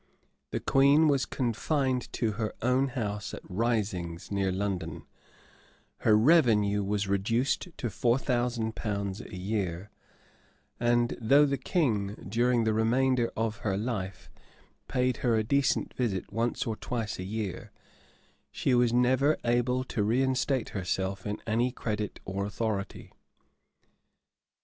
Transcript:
The queen was confined to her own house at Risings, near London: her revenue was reduced to four thousand pounds a year:[*] and though the king, during the remainder of her life, paid her a decent visit once or twice a year, she never was able to reinstate herself in any credit or authority.